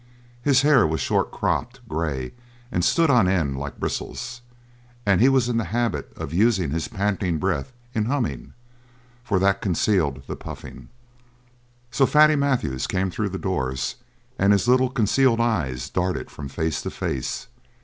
His hair was short cropped, grey, and stood on end like bristles, and he was in the habit of using his panting breath in humming for that concealed the puffing. So Fatty Matthews came through the doors and his little, concealed eyes darted from face to face.